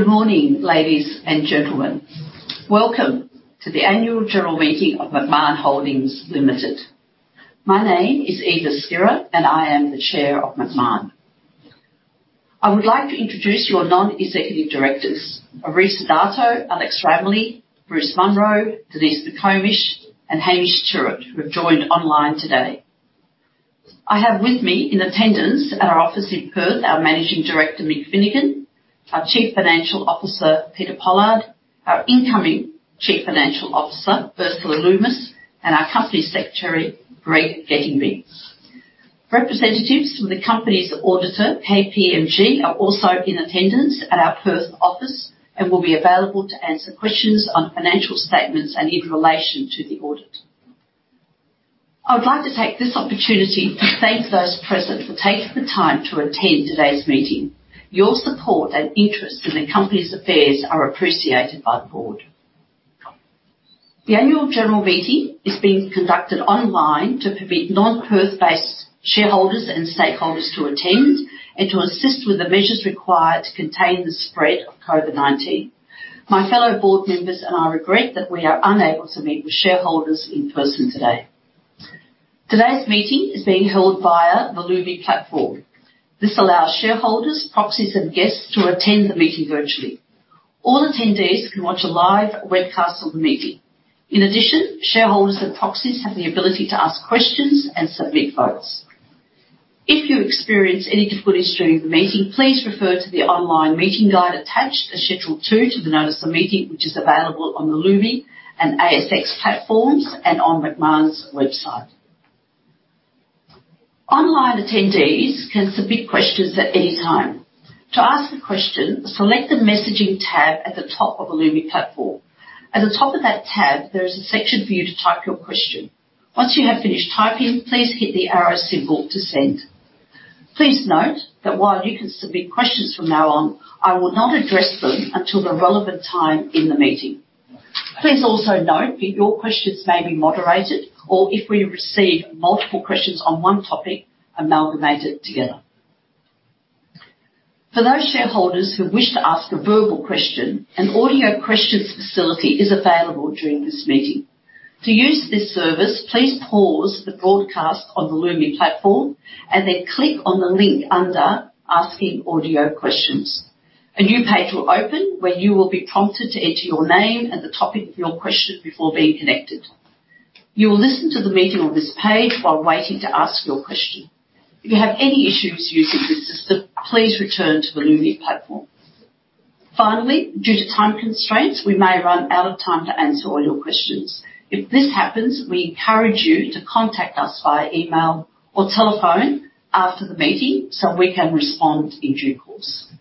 Good morning, ladies and gentlemen. Welcome to the annual general meeting of Macmahon Holdings Limited. My name is Eva Skira, and I am the Chair of Macmahon. I would like to introduce your Non-Executive Directors, Arief Sidarto, Alex Ramlie, Bruce Munro, Denise McComish, and Hamish Tyrwhitt, who have joined online today. I have with me in attendance at our office in Perth, our Managing Director, Mick Finnegan, our Chief Financial Officer, Peter Pollard, our Incoming Chief Financial Officer, Ursula Lummis, and our Company Secretary, Greg Gettingby. Representatives from the company's auditor, KPMG, are also in attendance at our Perth office and will be available to answer questions on financial statements and in relation to the audit. I would like to take this opportunity to thank those present for taking the time to attend today's meeting. Your support and interest in the company's affairs are appreciated by the board. The annual general meeting is being conducted online to permit non-Perth based shareholders and stakeholders to attend and to assist with the measures required to contain the spread of COVID-19. My fellow board members and I regret that we are unable to meet with shareholders in person today. Today's meeting is being held via the Lumi platform. This allows shareholders, proxies, and guests to attend the meeting virtually. All attendees can watch a live webcast of the meeting. In addition, shareholders and proxies have the ability to ask questions and submit votes. If you experience any difficulties during the meeting, please refer to the online meeting guide attached as Schedule two to the notice of the meeting, which is available on the Lumi and ASX platforms and on Macmahon's website. Online attendees can submit questions at any time. To ask a question, select the messaging tab at the top of the Lumi platform. At the top of that tab, there is a section for you to type your question. Once you have finished typing, please hit the arrow symbol to send. Please note that while you can submit questions from now on, I will not address them until the relevant time in the meeting. Please also note that your questions may be moderated, or if we receive multiple questions on one topic, amalgamated together. For those shareholders who wish to ask a verbal question, an audio questions facility is available during this meeting. To use this service, please pause the broadcast on the Lumi platform and then click on the link under "Asking audio questions." A new page will open where you will be prompted to enter your name and the topic of your question before being connected. You will listen to the meeting on this page while waiting to ask your question. If you have any issues using this system, please return to the Lumi platform. Finally, due to time constraints, we may run out of time to answer all your questions. If this happens, we encourage you to contact us via email or telephone after the meeting so we can respond in due course.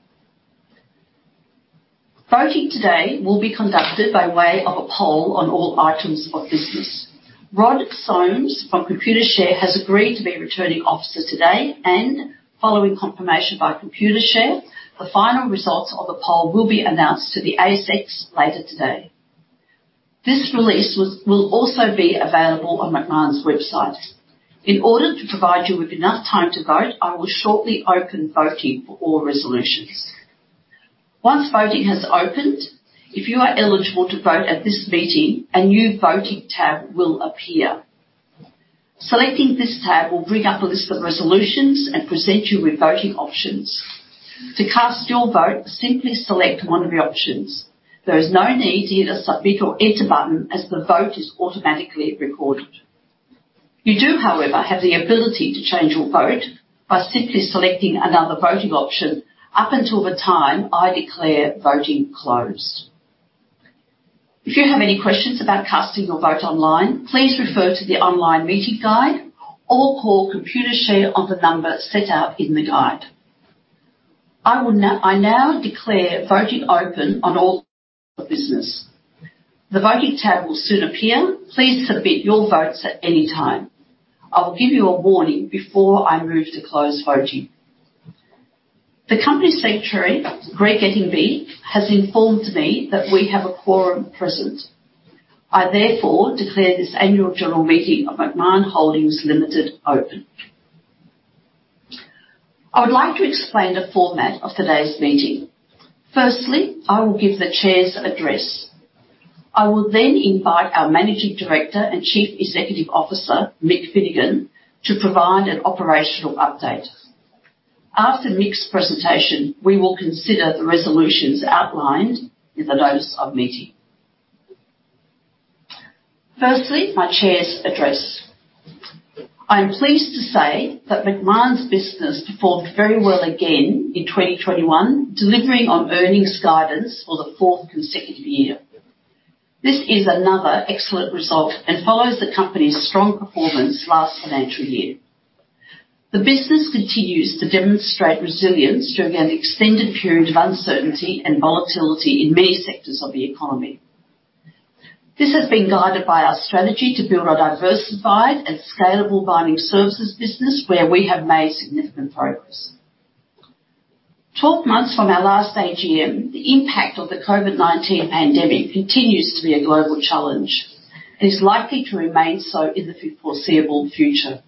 Voting today will be conducted by way of a poll on all items of business. Rod Somes from Computershare has agreed to be returning officer today and following confirmation by Computershare, the final results of the poll will be announced to the ASX later today. This release will also be available on Macmahon's website. In order to provide you with enough time to vote, I will shortly open voting for all resolutions. Once voting has opened, if you are eligible to vote at this meeting, a new voting tab will appear. Selecting this tab will bring up a list of resolutions and present you with voting options. To cast your vote, simply select one of the options. There is no need to hit a submit or enter button as the vote is automatically recorded. You do, however, have the ability to change your vote by simply selecting another voting option up until the time I declare voting closed. If you have any questions about casting your vote online, please refer to the online meeting guide or call Computershare on the number set out in the guide. I now declare voting open on all business. The voting tab will soon appear. Please submit your votes at any time. I'll give you a warning before I move to close voting. The company secretary, Greg Gettingby, has informed me that we have a quorum present. I therefore declare this annual general meeting of Macmahon Holdings Limited open. I would like to explain the format of today's meeting. Firstly, I will give the chair's address. I will then invite our Managing Director and Chief Executive Officer, Mick Finnegan, to provide an operational update. After Mick's presentation, we will consider the resolutions outlined in the notice of meeting. Firstly, my chair's address. I am pleased to say that Macmahon's business performed very well again in 2021, delivering on earnings guidance for the fourth consecutive year. This is another excellent result and follows the company's strong performance last financial year. The business continues to demonstrate resilience during an extended period of uncertainty and volatility in many sectors of the economy. This has been guided by our strategy to build a diversified and scalable mining services business where we have made significant progress. 12 months from our last AGM, the impact of the COVID-19 pandemic continues to be a global challenge and is likely to remain so in the foreseeable future.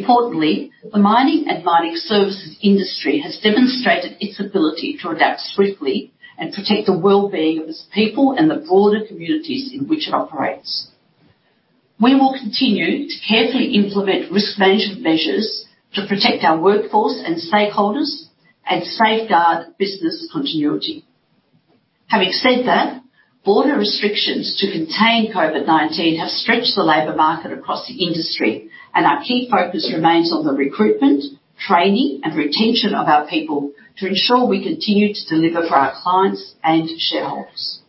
Importantly, the mining and mining services industry has demonstrated its ability to adapt swiftly and protect the wellbeing of its people and the broader communities in which it operates. We will continue to carefully implement risk management measures to protect our workforce and stakeholders and safeguard business continuity. Having said that, border restrictions to contain COVID-19 have stretched the labor market across the industry. Our key focus remains on the recruitment, training, and retention of our people to ensure we continue to deliver for our clients and shareholders.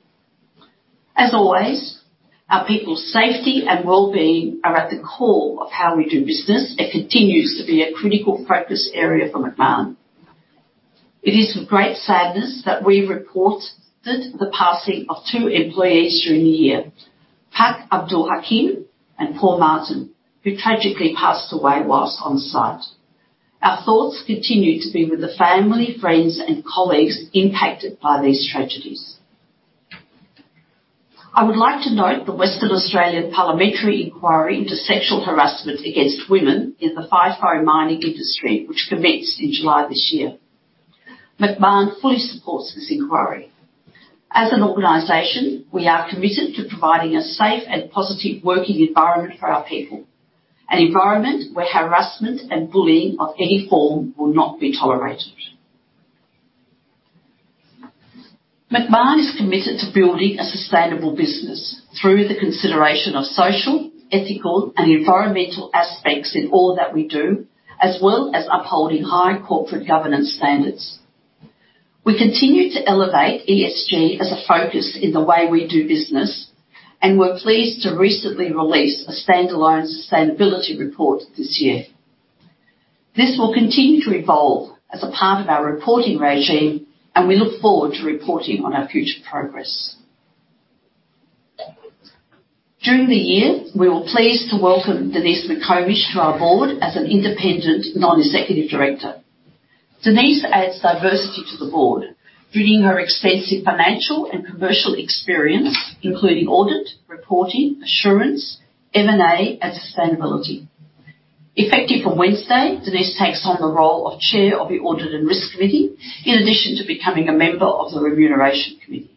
As always, our people's safety and wellbeing are at the core of how we do business and continues to be a critical focus area for Macmahon. It is with great sadness that we report the passing of two employees during the year, Pak Abdul Hakim and Paul Martin, who tragically passed away while on site. Our thoughts continue to be with the family, friends, and colleagues impacted by these tragedies. I would like to note the Western Australian Parliamentary Inquiry into sexual harassment against women in the FIFO mining industry, which commenced in July this year. Macmahon fully supports this inquiry. As an organization, we are committed to providing a safe and positive working environment for our people, an environment where harassment and bullying of any form will not be tolerated. Macmahon is committed to building a sustainable business through the consideration of social, ethical, and environmental aspects in all that we do, as well as upholding high corporate governance standards. We continue to elevate ESG as a focus in the way we do business, we're pleased to recently release a stand-alone sustainability report this year. This will continue to evolve as a part of our reporting regime, we look forward to reporting on our future progress. During the year, we were pleased to welcome Denise McComish to our board as an independent non-executive director. Denise adds diversity to the board, bringing her extensive financial and commercial experience, including audit, reporting, assurance, M&A, and sustainability. Effective from Wednesday, Denise takes on the role of chair of the Audit and Risk Committee in addition to becoming a member of the Remuneration Committee.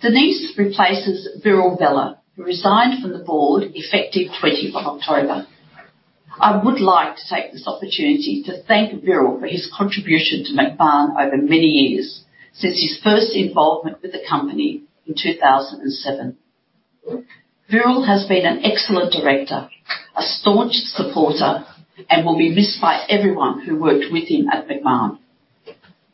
Denise replaces Vyril Vella, who resigned from the board effective October 20th. I would like to take this opportunity to thank Vyril for his contribution to Macmahon over many years since his first involvement with the company in 2007. Vyril has been an excellent director, a staunch supporter, and will be missed by everyone who worked with him at Macmahon.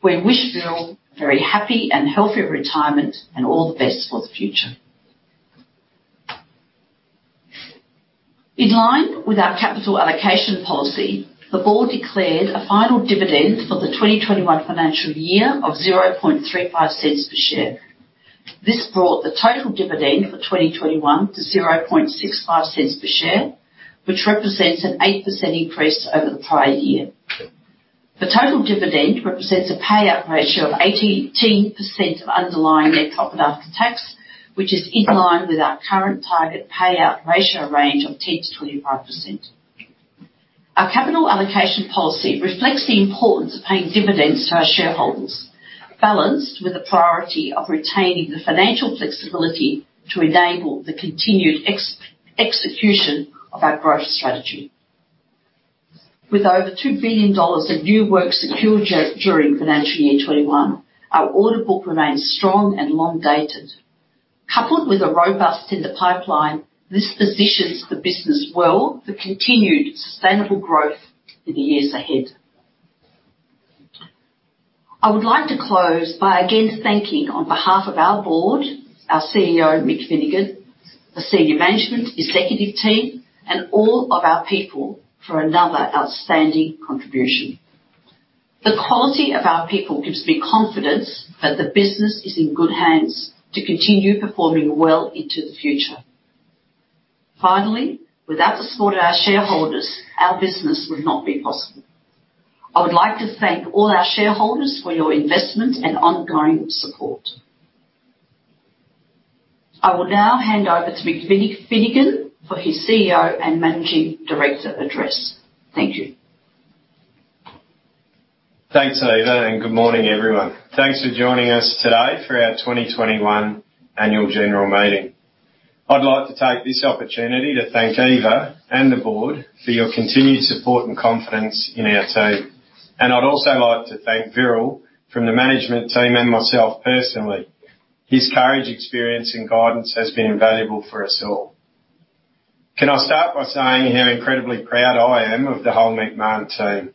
We wish Vyril a very happy and healthy retirement and all the best for the future. In line with our capital allocation policy, the board declared a final dividend for the 2021 financial year of 0.0035 per share. This brought the total dividend for 2021 to 0.0065 per share, which represents an 8% increase over the prior year. The total dividend represents a payout ratio of 18% of underlying net profit after tax, which is in line with our current target payout ratio range of 10%-25%. Our capital allocation policy reflects the importance of paying dividends to our shareholders, balanced with the priority of retaining the financial flexibility to enable the continued execution of our growth strategy. With over 2 billion dollars of new work secured during financial year 2021, our order book remains strong and long-dated. Coupled with a robust tender pipeline, this positions the business well for continued sustainable growth in the years ahead. I would like to close by again thanking on behalf of our board, our CEO Mick Finnegan, the senior management executive team, and all of our people for another outstanding contribution. The quality of our people gives me confidence that the business is in good hands to continue performing well into the future. Finally, without the support of our shareholders, our business would not be possible. I would like to thank all our shareholders for your investment and ongoing support. I will now hand over to Mick Finnegan for his CEO and Managing Director address. Thank you. Thanks, Eva. Good morning, everyone. Thanks for joining us today for our 2021 annual general meeting. I'd like to take this opportunity to thank Eva and the Board for your continued support and confidence in our team. I'd also like to thank Vyril from the management team and myself personally. His courage, experience, and guidance has been invaluable for us all. Can I start by saying how incredibly proud I am of the whole Macmahon team.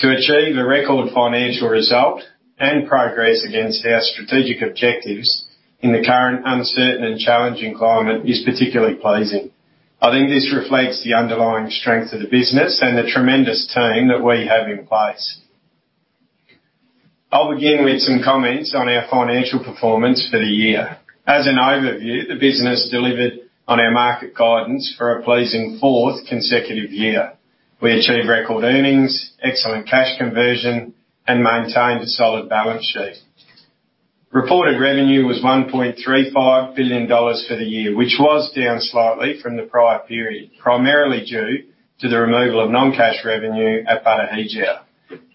To achieve a record financial result and progress against our strategic objectives in the current uncertain and challenging climate is particularly pleasing. I think this reflects the underlying strength of the business and the tremendous team that we have in place. I'll begin with some comments on our financial performance for the year. As an overview, the business delivered on our market guidance for a pleasing fourth consecutive year. We achieved record earnings, excellent cash conversion, and maintained a solid balance sheet. Reported revenue was 1.35 billion dollars for the year, which was down slightly from the prior period, primarily due to the removal of non-cash revenue at Batu Hijau.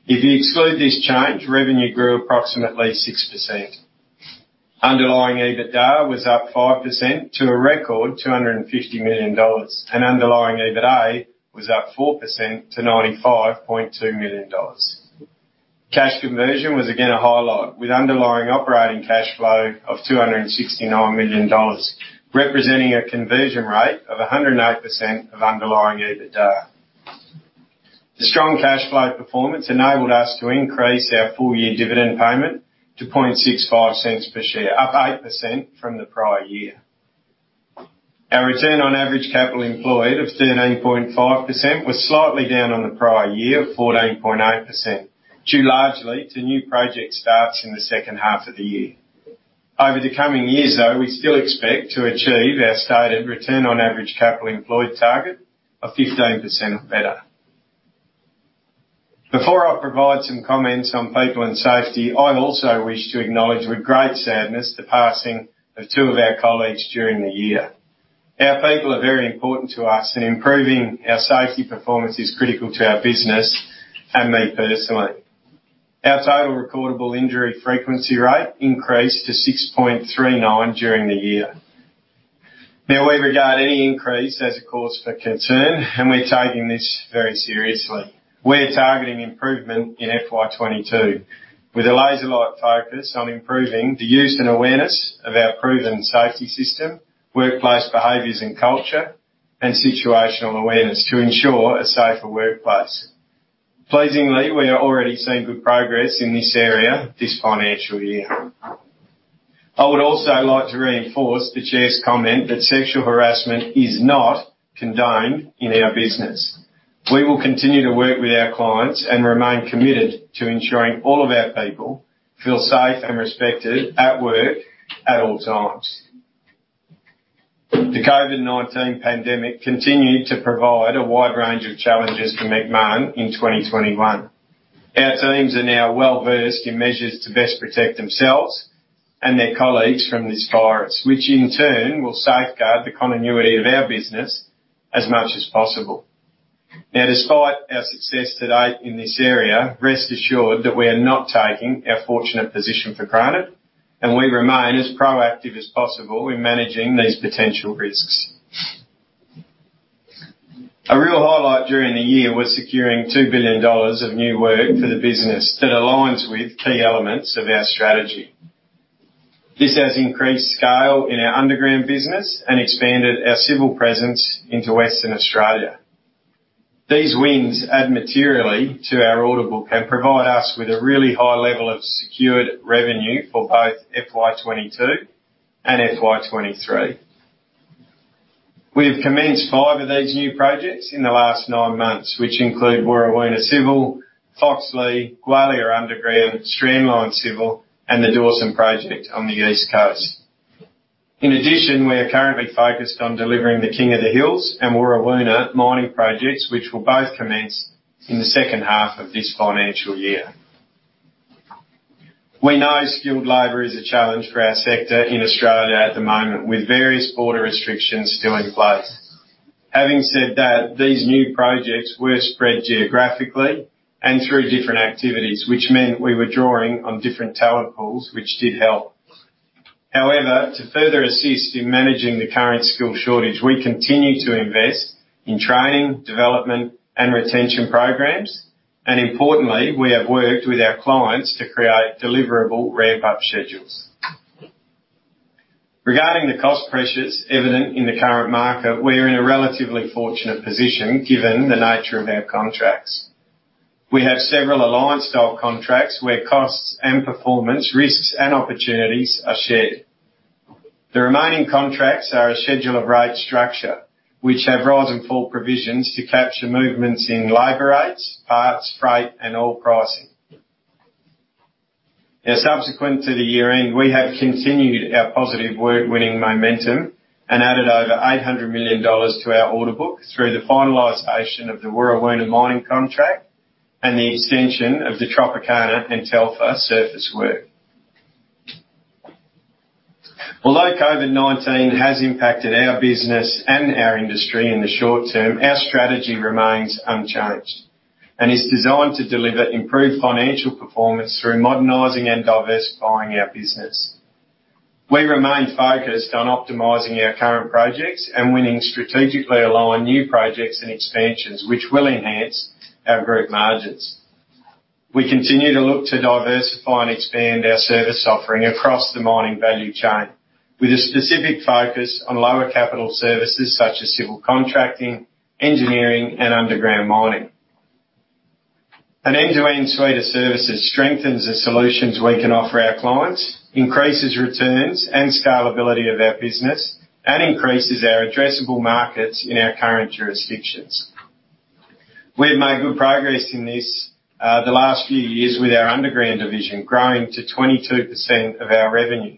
If you exclude this change, revenue grew approximately 6%. Underlying EBITDA was up 5% to a record 250 million dollars. Underlying EBITA was up 4% to 95.2 million dollars. Cash conversion was again a highlight, with underlying operating cash flow of 269 million dollars, representing a conversion rate of 108% of underlying EBITDA. The strong cash flow performance enabled us to increase our full-year dividend payment to 0.0065 per share, up 8% from the prior year. Our return on average capital employed of 13.5% was slightly down on the prior year, 14.8%, due largely to new project starts in the second half of the year. Over the coming years, though, we still expect to achieve our stated return on average capital employed target of 15% or better. Before I provide some comments on people and safety, I also wish to acknowledge with great sadness the passing of two of our colleagues during the year. Our people are very important to us, and improving our safety performance is critical to our business and me personally. Our total recordable injury frequency rate increased to 6.39 during the year. We regard any increase as a cause for concern, and we're taking this very seriously. We're targeting improvement in FY22 with a laser-like focus on improving the use and awareness of our proven safety system, workplace behaviors and culture, and situational awareness to ensure a safer workplace. Pleasingly, we are already seeing good progress in this area this financial year. I would also like to reinforce the chair's comment that sexual harassment is not condoned in our business. We will continue to work with our clients and remain committed to ensuring all of our people feel safe and respected at work at all times. The COVID-19 pandemic continued to provide a wide range of challenges for Macmahon in 2021. Our teams are now well-versed in measures to best protect themselves and their colleagues from this virus, which in turn will safeguard the continuity of our business as much as possible. Despite our success to date in this area, rest assured that we are not taking our fortunate position for granted, and we remain as proactive as possible in managing these potential risks. A real highlight during the year was securing 2 billion dollars of new work for the business that aligns with key elements of our strategy. This has increased scale in our underground business and expanded our civil presence into Western Australia. These wins add materially to our order book and provide us with a really high level of secured revenue for both FY2022 and FY2023. We have commenced five of these new projects in the last nine months, which include Warrawoona Civil, Foxleigh, Gwalia Underground, Strandline Civil, and the Dawson Project on the East Coast. In addition, we are currently focused on delivering the King of the Hills and Warrawoona mining projects, which will both commence in the second half of this financial year. We know skilled labor is a challenge for our sector in Australia at the moment, with various border restrictions still in place. Having said that, these new projects were spread geographically and through different activities, which meant we were drawing on different talent pools, which did help. However, to further assist in managing the current skill shortage, we continue to invest in training, development, and retention programs. Importantly, we have worked with our clients to create deliverable ramp-up schedules. Regarding the cost pressures evident in the current market, we're in a relatively fortunate position given the nature of our contracts. We have several alliance-style contracts where costs and performance risks and opportunities are shared. The remaining contracts are a schedule of rate structure, which have rise and fall provisions to capture movements in labor rates, parts, freight, and oil pricing. Subsequent to the year-end, we have continued our positive work winning momentum and added over 800 million dollars to our order book through the finalization of the Warrawoona Mine contract and the extension of the Tropicana and Telfer surface work. Although COVID-19 has impacted our business and our industry in the short term, our strategy remains unchanged and is designed to deliver improved financial performance through modernizing and diversifying our business. We remain focused on optimizing our current projects and winning strategically aligned new projects and expansions which will enhance our group margins. We continue to look to diversify and expand our service offering across the mining value chain with a specific focus on lower capital services such as civil contracting, engineering, and underground mining. An end-to-end suite of services strengthens the solutions we can offer our clients, increases returns and scalability of our business, and increases our addressable markets in our current jurisdictions. We have made good progress in this the last few years with our underground division growing to 22% of our revenue.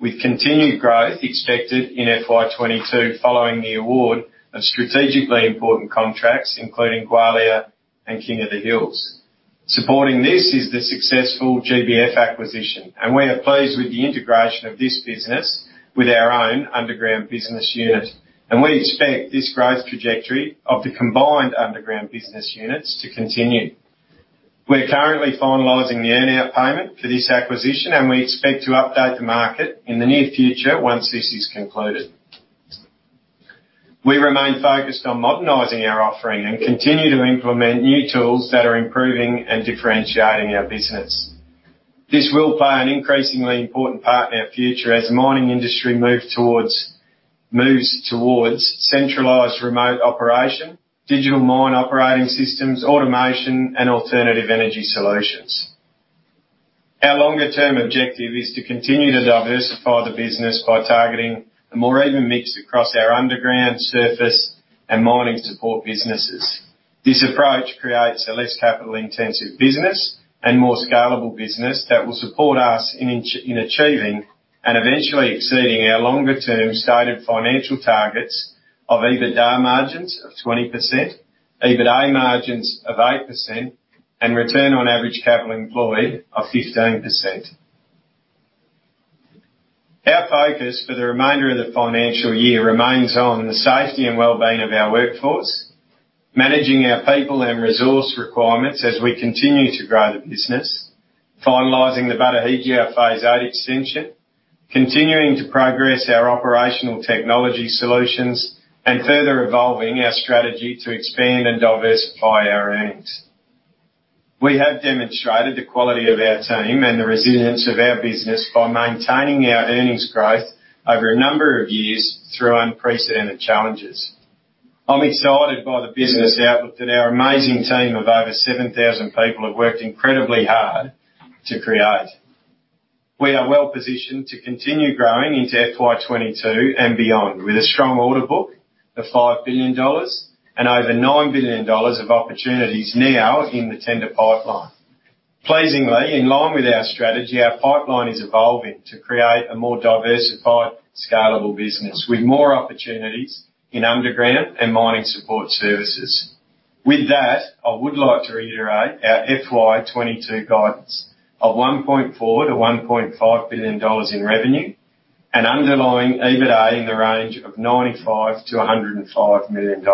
With continued growth expected in FY 2022 following the award of strategically important contracts, including Gwalia and King of the Hills. Supporting this is the successful GBF acquisition, we are pleased with the integration of this business with our own underground business unit. We expect this growth trajectory of the combined underground business units to continue. We're currently finalizing the earn-out payment for this acquisition, and we expect to update the market in the near future once this is concluded. We remain focused on modernizing our offering and continue to implement new tools that are improving and differentiating our business. This will play an increasingly important part in our future as the mining industry moves towards centralized remote operation, digital mine operating systems, automation, and alternative energy solutions. Our longer-term objective is to continue to diversify the business by targeting a more even mix across our underground, surface, and mining support businesses. This approach creates a less capital-intensive business and more scalable business that will support us in achieving and eventually exceeding our longer-term stated financial targets of EBITDA margins of 20%, EBITA margins of 8%, and return on average capital employed of 15%. Our focus for the remainder of the financial year remains on the safety and wellbeing of our workforce, managing our people and resource requirements as we continue to grow the business, finalizing the Batu Hijau Phase Eight extension, continuing to progress our operational technology solutions, and further evolving our strategy to expand and diversify our earnings. We have demonstrated the quality of our team and the resilience of our business by maintaining our earnings growth over a number of years through unprecedented challenges. I'm excited by the business outlook that our amazing team of over 7,000 people have worked incredibly hard to create. We are well-positioned to continue growing into FY 2022 and beyond with a strong order book of 5 billion dollars and over 9 billion dollars of opportunities now in the tender pipeline. Pleasingly, in line with our strategy, our pipeline is evolving to create a more diversified, scalable business with more opportunities in underground and mining support services. With that, I would like to reiterate our FY 2022 guidance of AUD 1.4 billion-AUD 1.5 billion in revenue and underlying EBITA in the range of AUD 95 million-AUD 105 million.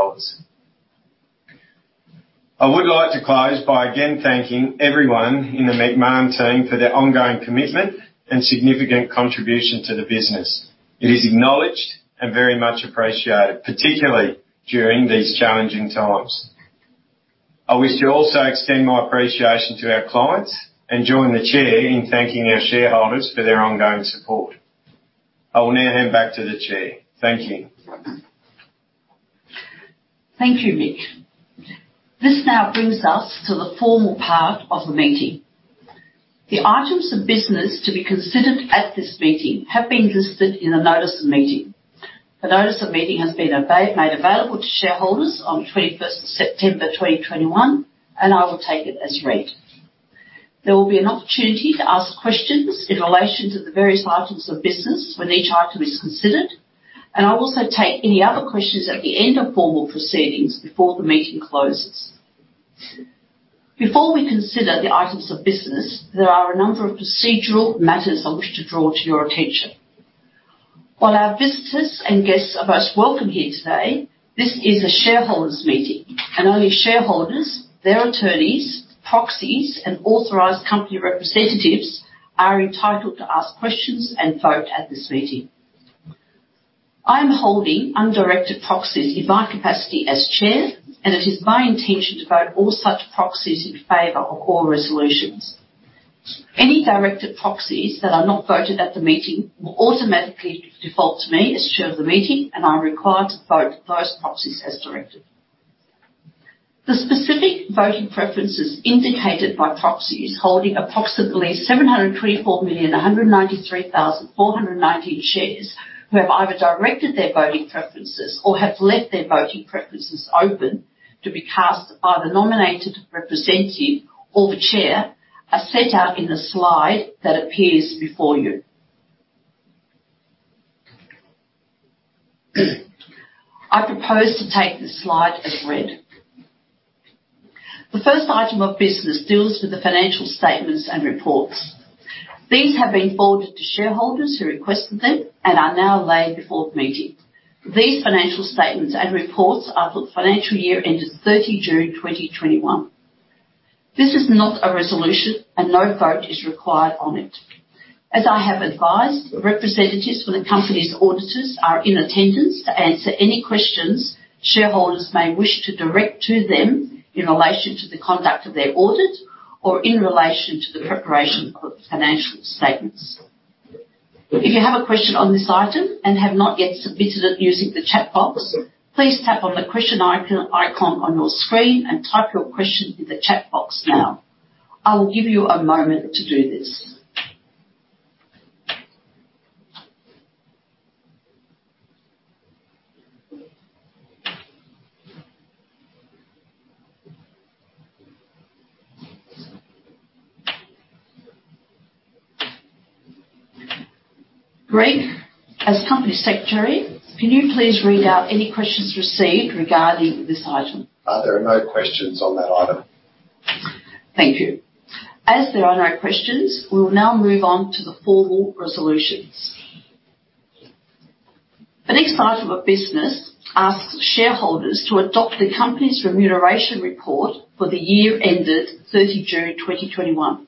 I would like to close by again thanking everyone in the Macmahon team for their ongoing commitment and significant contribution to the business. It is acknowledged and very much appreciated, particularly during these challenging times. I wish to also extend my appreciation to our clients and join the Chair in thanking our shareholders for their ongoing support. I will now hand back to the Chair. Thank you. Thank you, Mick. This now brings us to the formal part of the meeting. The items of business to be considered at this meeting have been listed in the notice of meeting. The notice of meeting has been made available to shareholders on September 21st, 2021, and I will take it as read. There will be an opportunity to ask questions in relation to the various items of business when each item is considered, and I'll also take any other questions at the end of formal proceedings before the meeting closes. Before we consider the items of business, there are a number of procedural matters I wish to draw to your attention. While our visitors and guests are most welcome here today, this is a shareholders' meeting, and only shareholders, their attorneys, proxies, and authorized company representatives are entitled to ask questions and vote at this meeting. I am holding undirected proxies in my capacity as chair, and it is my intention to vote all such proxies in favor of all resolutions. Any directed proxies that are not voted at the meeting will automatically default to me as chair of the meeting, and I am required to vote those proxies as directed. The specific voting preferences indicated by proxies holding approximately 734,193,419 shares who have either directed their voting preferences or have left their voting preferences open to be cast by the nominated representative or the chair, are set out in the slide that appears before you. I propose to take this slide as read. The first item of business deals with the financial statements and reports. These have been forwarded to shareholders who requested them and are now laid before the meeting. These financial statements and reports are for the financial year-end of June 30th, 2021. This is not a resolution, and no vote is required on it. As I have advised, representatives from the company's auditors are in attendance to answer any questions shareholders may wish to direct to them in relation to the conduct of their audit or in relation to the preparation of the financial statements. If you have a question on this item and have not yet submitted it using the chat box, please tap on the question icon on your screen and type your question in the chat box now. I will give you a moment to do this. Greg, as Company Secretary, can you please read out any questions received regarding this item? There are no questions on that item. Thank you. As there are no questions, we will now move on to the formal resolutions. The next item of business asks shareholders to adopt the company's remuneration report for the year ended June 30th, 2021.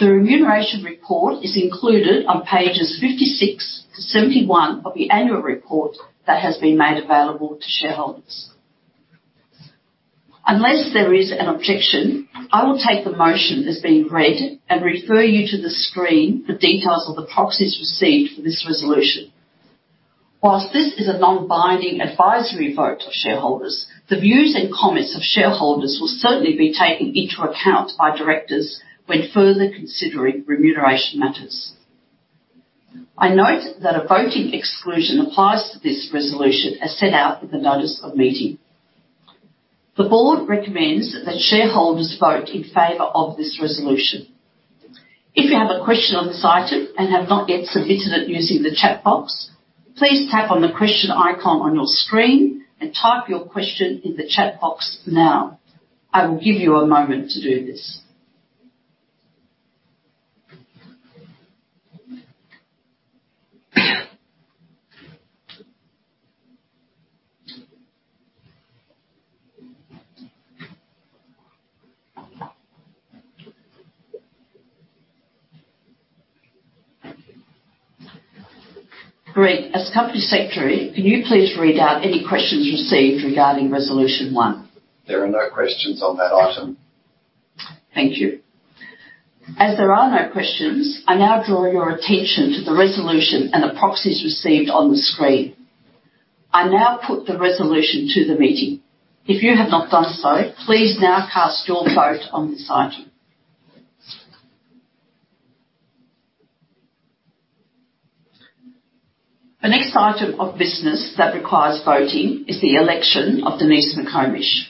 The remuneration report is included on pages 56-71 of the annual report that has been made available to shareholders. Unless there is an objection, I will take the motion as being read and refer you to the screen for details of the proxies received for this resolution. Whilst this is a non-binding advisory vote of shareholders, the views and comments of shareholders will certainly be taken into account by directors when further considering remuneration matters. I note that a voting exclusion applies to this resolution as set out in the notice of meeting. The board recommends that shareholders vote in favor of this resolution. If you have a question on this item and have not yet submitted it using the chat box, please tap on the question icon on your screen and type your question in the chat box now. I will give you a moment to do this. Greg, as Company Secretary, can you please read out any questions received regarding resolution 1? There are no questions on that item. Thank you. As there are no questions, I now draw your attention to the resolution and the proxies received on the screen. I now put the resolution to the meeting. If you have not done so, please now cast your vote on this item. The next item of business that requires voting is the election of Denise McComish.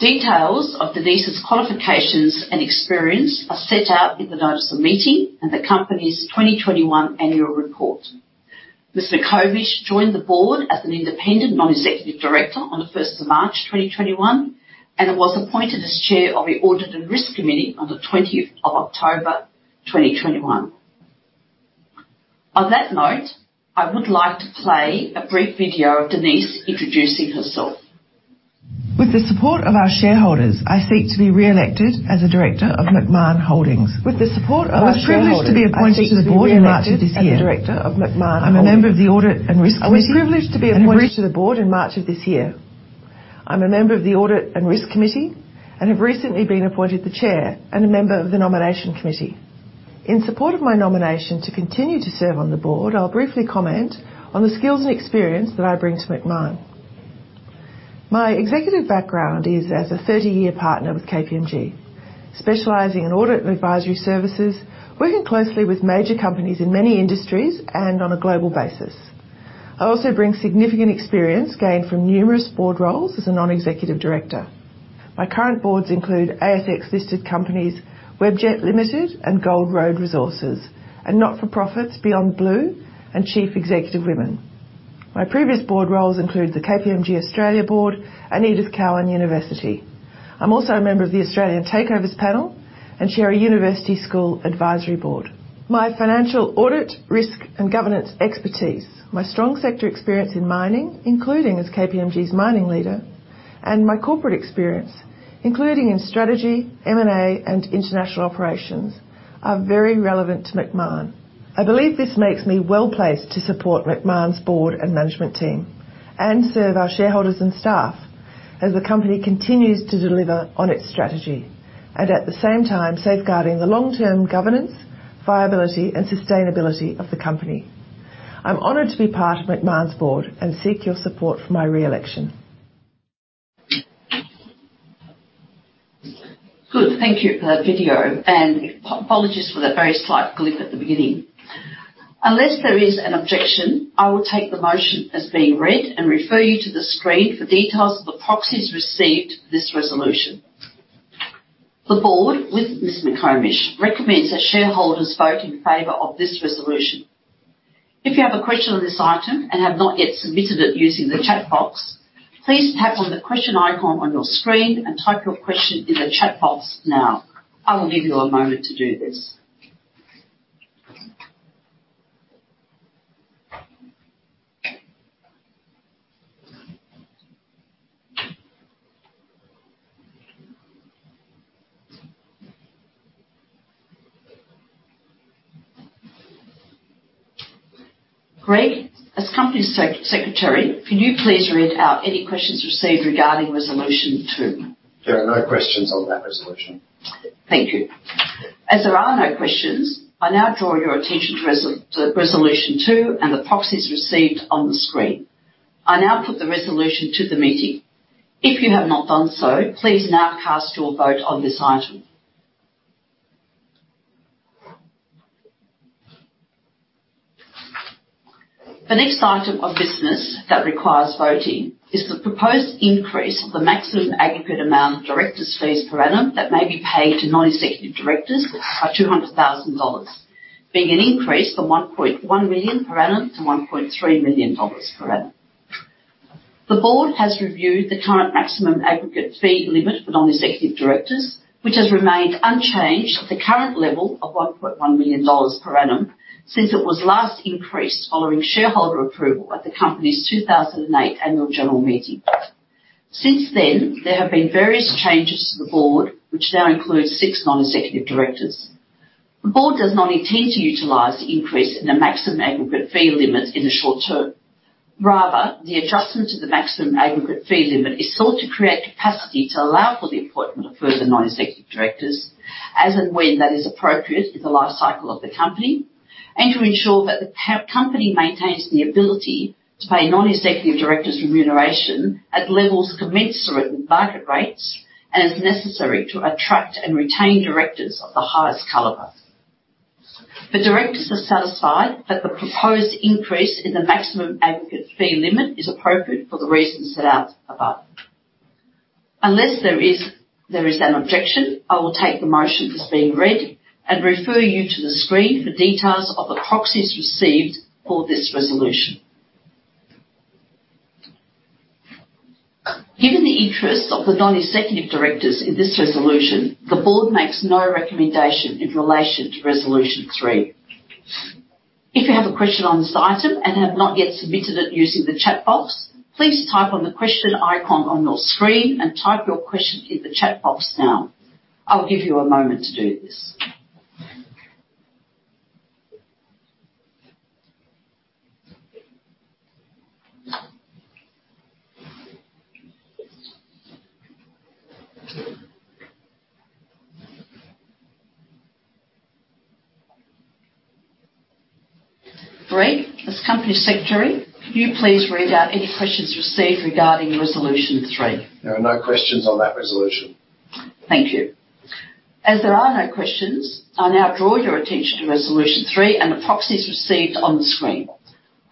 Details of Denise's qualifications and experience are set out in the notice of meeting and the company's 2021 annual report. Ms. McComish joined the board as an independent non-executive director on the March 1st, 2021, and was appointed as chair of the Audit and Risk Committee on the October 20th, 2021. On that note, I would like to play a brief video of Denise introducing herself. With the support of our shareholders, I seek to be reelected as a director of Macmahon Holdings. I was privileged to be appointed to the board in March of this year. I'm a member of the Audit and Risk Committee and have recently been appointed the Chair and a member of the Nomination Committee. In support of my nomination to continue to serve on the board, I'll briefly comment on the skills and experience that I bring to Macmahon. My executive background is as a 30-year partner with KPMG, specializing in audit and advisory services, working closely with major companies in many industries and on a global basis. I also bring significant experience gained from numerous board roles as a non-executive director. My current boards include ASX listed companies, Webjet Limited and Gold Road Resources, and not-for-profits Beyond Blue and Chief Executive Women. My previous board roles include the KPMG Australia Board and Edith Cowan University. I'm also a member of the Australian Takeovers Panel and chair a university school advisory board. My financial audit, risk, and governance expertise, my strong sector experience in mining, including as KPMG's mining leader, and my corporate experience, including in strategy, M&A, and international operations, are very relevant to Macmahon. I believe this makes me well-placed to support Macmahon's board and management team and serve our shareholders and staff as the company continues to deliver on its strategy. At the same time, safeguarding the long-term governance, viability, and sustainability of the company. I'm honored to be part of Macmahon's board and seek your support for my reelection. Good. Thank you for that video. Apologies for that very slight glitch at the beginning. Unless there is an objection, I will take the motion as being read and refer you to the screen for details of the proxies received for this resolution. The board, with Ms. McComish, recommends that shareholders vote in favor of this resolution. If you have a question on this item and have not yet submitted it using the chat box, please tap on the question icon on your screen and type your question in the chat box now. I will give you a moment to do this. Greg, as Company Secretary, can you please read out any questions received regarding resolution two? There are no questions on that resolution. Thank you. As there are no questions, I now draw your attention to resolution two and the proxies received on the screen. I now put the resolution to the meeting. If you have not done so, please now cast your vote on this item. The next item of business that requires voting is the proposed increase of the maximum aggregate amount of directors' fees per annum that may be paid to non-executive directors by 200,000 dollars, being an increase from 1.1 million per annum to 1.3 million dollars per annum. The board has reviewed the current maximum aggregate fee limit for non-executive directors, which has remained unchanged at the current level of 1.1 million dollars per annum since it was last increased following shareholder approval at the company's 2008 annual general meeting. Since then, there have been various changes to the board, which now includes six non-executive directors. The board does not intend to utilize the increase in the maximum aggregate fee limits in the short term. Rather, the adjustment to the maximum aggregate fee limit is sought to create capacity to allow for the appointment of further non-executive directors, as and when that is appropriate in the life cycle of the company, and to ensure that the company maintains the ability to pay non-executive directors' remuneration at levels commensurate with market rates and is necessary to attract and retain directors of the highest caliber. The directors are satisfied that the proposed increase in the maximum aggregate fee limit is appropriate for the reasons set out above. Unless there is an objection, I will take the motion as being read and refer you to the screen for details of the proxies received for this resolution. Given the interests of the non-executive directors in this resolution, the board makes no recommendation in relation to resolution three. If you have a question on this item and have not yet submitted it using the chat box, please type on the question icon on your screen and type your question in the chat box now. I'll give you a moment to do this. Greg, as Company Secretary, could you please read out any questions received regarding resolution three? There are no questions on that resolution. Thank you. As there are no questions, I now draw your attention to resolution three and the proxies received on the screen.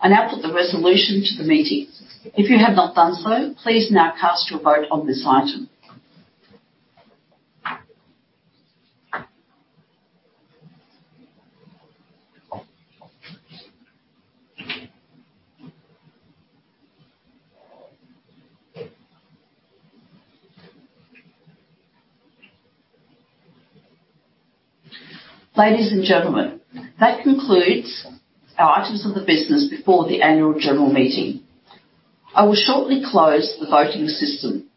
I now put the resolution to the meeting. If you have not done so, please now cast your vote on this item. Ladies and gentlemen, that concludes our items of the business before the annual general meeting. I will shortly close the voting system.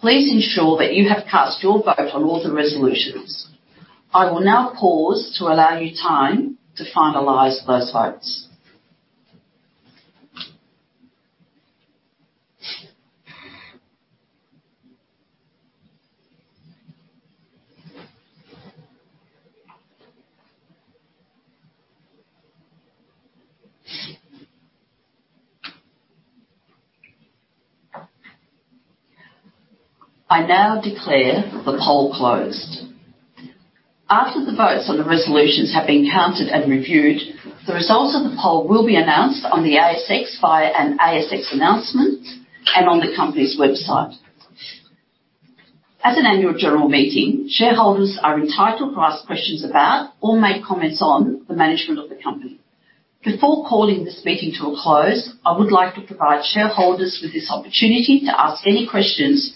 Please ensure that you have cast your vote on all the resolutions. I will now pause to allow you time to finalize those votes. I now declare the poll closed. After the votes on the resolutions have been counted and reviewed, the results of the poll will be announced on the ASX via an ASX announcement and on the company's website. As an annual general meeting, shareholders are entitled to ask questions about or make comments on the management of the company. Before calling this meeting to a close, I would like to provide shareholders with this opportunity to ask any questions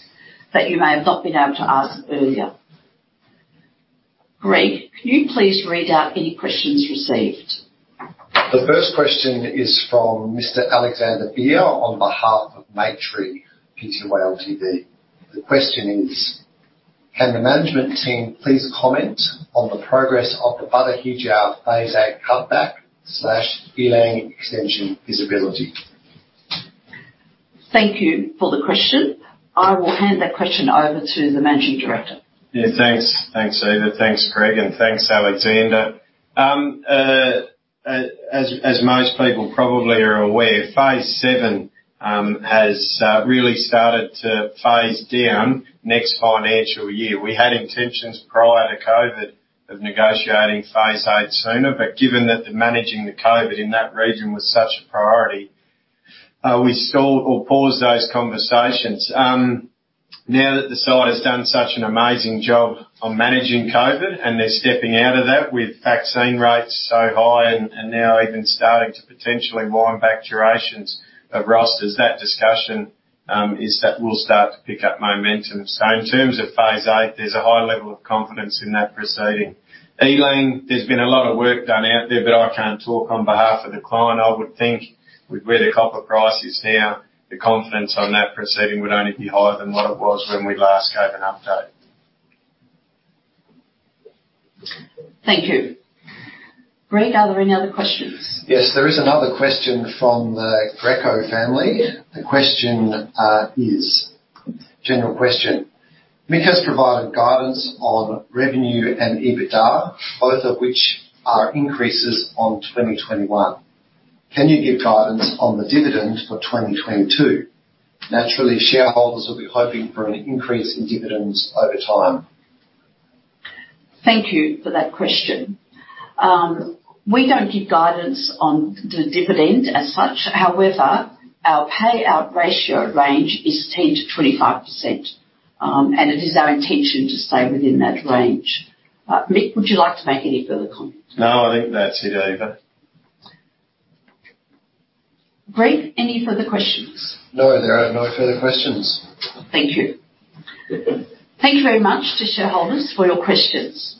that you may have not been able to ask earlier. Greg, could you please read out any questions received? The first question is from Mr. Alexander Beer on behalf of Maytree Pty Ltd. The question is: "Can the management team please comment on the progress of the Batu Hijau Phase VIII cutback/Elang extension feasibility? Thank you for the question. I will hand that question over to the Managing Director. Thanks. Thanks, Eva. Thanks, Greg and thanks, Alexander. As most people probably are aware, phase VII has really started to phase down next financial year. We had intentions, prior to COVID-19, of negotiating phase VIII sooner, but given that the managing the COVID-19 in that region was such a priority, we stalled or paused those conversations. Now that the site has done such an amazing job of managing COVID-19, and they're stepping out of that with vaccine rates so high and now even starting to potentially wind back durations of rosters, that discussion will start to pick up momentum. In terms of phase VIII, there's a high level of confidence in that proceeding. Elang, there's been a lot of work done out there, but I can't talk on behalf of the client. I would think with where the copper price is now, the confidence on that proceeding would only be higher than what it was when we last gave an update. Thank you. Greg, are there any other questions? Yes, there is another question from the Greco family. The question is a general question. "Mick has provided guidance on revenue and EBITDA, both of which are increases on 2021. Can you give guidance on the dividend for 2022? Naturally, shareholders will be hoping for an increase in dividends over time. Thank you for that question. We don't give guidance on the dividend as such. However, our payout ratio range is 10%-25%, and it is our intention to stay within that range. Mick, would you like to make any further comment? No, I think that's it, Eva. Greg, any further questions? No, there are no further questions. Thank you. Thank you very much to shareholders for your questions.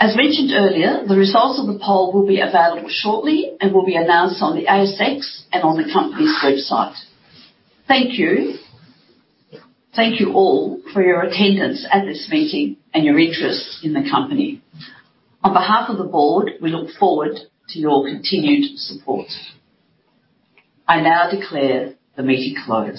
As mentioned earlier, the results of the poll will be available shortly and will be announced on the ASX and on the company's website. Thank you. Thank you all for your attendance at this meeting and your interest in the company. On behalf of the board, we look forward to your continued support. I now declare the meeting closed.